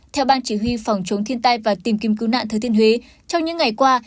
theo ban chỉ huy phòng chống thiên tai và tìm kiếm cứu nạn thứ thiên huế trong những ngày qua